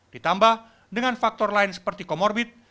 ditambah dengan faktor lain seperti komorbit